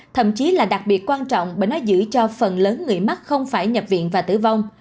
thậm chí là đặc biệt quan trọng bởi nó giữ cho phần lớn người mắc không phải nhập viện và tử vong